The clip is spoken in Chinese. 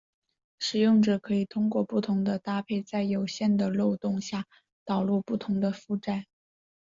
使用者可以通过不同的搭配在有限的漏洞下导入不同的负载。